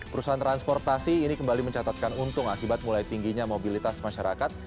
perusahaan transportasi ini kembali mencatatkan untung akibat mulai tingginya mobilitas masyarakat